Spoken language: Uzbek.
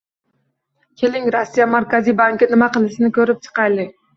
Keling, Rossiya Markaziy banki nima qilishini ko'rib chiqaylik